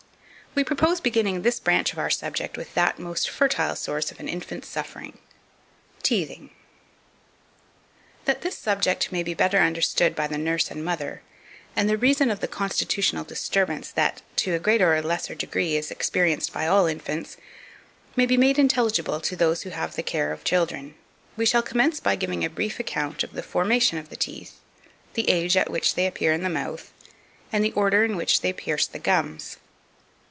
We propose beginning this branch of our subject with that most fertile source of an infant's suffering Teething. 2510. That this subject may he better understood by the nurse and mother, and the reason of the constitutional disturbance that, to a greater or less degree, is experienced by all infants, may be made intelligible to those who have the care of children, we shall commence by giving a brief account of the formation of the teeth, the age at which they appear in the mouth, and the order in which they pierce the gums.